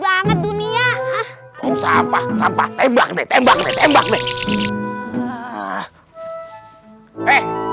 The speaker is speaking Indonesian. banget dunia ah oh sampah sampah tembak tembak tembak tembak nih